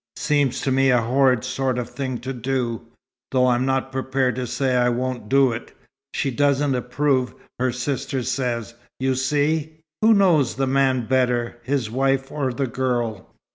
"Seems to me a horrid sort of thing to do, though I'm not prepared to say I won't do it. She doesn't approve, her sister says, you see " "Who knows the man better, his wife or the girl?"